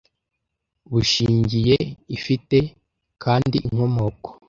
bushingiyeIfite kandi inkomoko